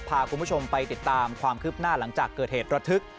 พาคุณผู้ชมไปติดตามความคืบหน้าหลังจากเกิดเหตุระทึก